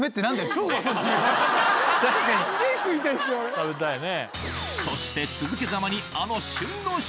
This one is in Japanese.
食べたいね。